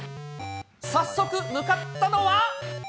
早速向かったのは。